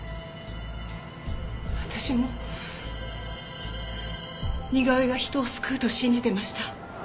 私も似顔絵が人を救うと信じてました。